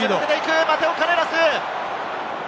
マテオ・カレーラス！